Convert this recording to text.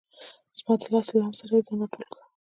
زما د لاس له لمس سره یې ځان را ټول کړ.